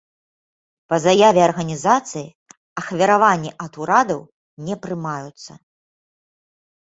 Па заяве арганізацыі, ахвяраванні ад урадаў не прымаюцца.